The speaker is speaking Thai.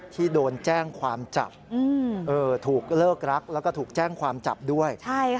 ที่โดนแจ้งความจับถูกเลิกรักแล้วก็ถูกแจ้งความจับด้วย